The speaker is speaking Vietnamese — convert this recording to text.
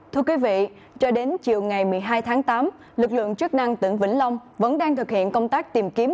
thưa quý vị cho đến chiều ngày một mươi hai tháng tám lực lượng chức năng tỉnh vĩnh long vẫn đang thực hiện công tác tìm kiếm